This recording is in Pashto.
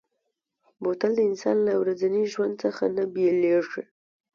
بوتل د انسان له ورځني ژوند څخه نه بېلېږي.